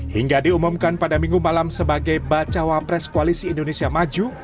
hingga diumumkan pada minggu malam sebagai bacawa pres koalisi indonesia maju